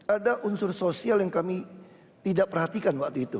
ada unsur sosial yang kami tidak perhatikan waktu itu